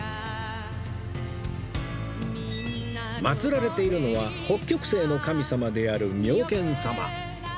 祀られているのは北極星の神様である妙見様